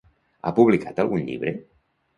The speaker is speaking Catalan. Ha publicat algun llibre?